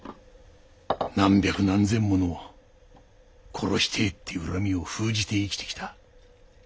何百何千もの「殺してえ」っていう恨みを封じて生きてきた。